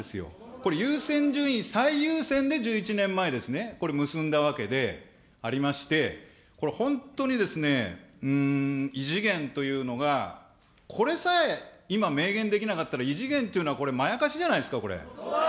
これ、優先順位、最優先で１１年前ですね、結んだわけでありまして、これ、本当にですね、異次元というのが、これさえ今明言できなかったら異次元というのは、これまやかしじゃないですか、これ。